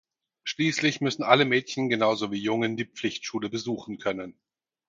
Schließlich müssen alle Mädchen genauso wie Jungen die Pflichtschule besuchen können.